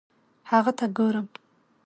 هغه ته ګورم